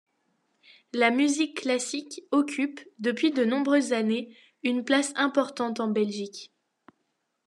La musique classique occupe, depuis de nombreuses années, une place importante en Belgique.